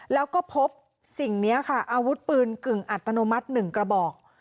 แล้วก็พบสิ่งนี้ค่ะอาวุธปืนกึ่งอัตโนมัติ๑กระบอก